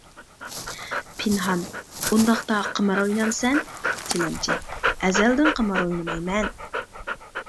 پىنھان : ئۇنداقتا قىمار ئوينامسەن؟ تىلەمچى: ئەزەلدىن قىمار ئوينىمايمەن.